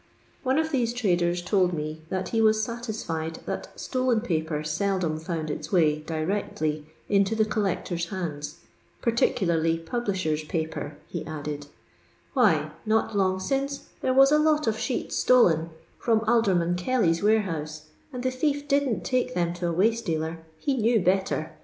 One of these traders told me that be waa satisfied that stolen paper seldom found its way, directly, into the collectors' hands, " particulariy publisher's paper," he added. "Why, not long since there was a lot of sheets stolen from Alder LOITLOir LABOUR AND THE LONDON P002L 115 ■m Kelly's wanhonie, and the thief didn't take then to a waite dealer; he knew better.